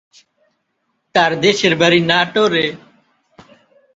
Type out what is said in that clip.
তার দেশের বাড়ি নাটোরে।